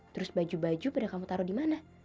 terus baju baju pada kamu taruh dimana